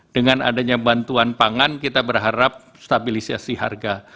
dengan adanya bantuan pangan kita berharap stabilisasi harga